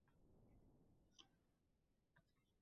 — Hatto shoirona ham.